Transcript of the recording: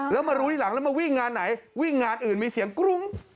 แล้วมารู้ทีหลังแล้วมาวิ่งงานไหนวิ่งงานอื่นมีเสียงกรุ้ง